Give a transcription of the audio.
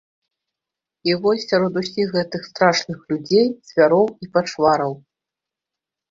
І вось сярод усіх гэтых страшных людзей, звяроў і пачвараў.